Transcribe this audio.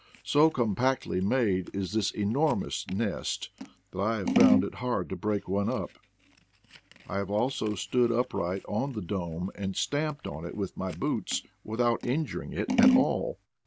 So com pactly made is this enormous nest that I have AT LAST, PATAGONIA! 11 found it hard to break one np. I have also stood upright on the dome and stamped on it with my boots without injuring it at all.